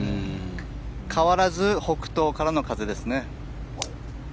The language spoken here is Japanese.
変わらず北東からの風ですね。